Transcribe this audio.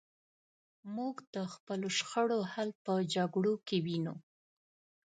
موږ د خپلو شخړو حل په جګړو کې وینو.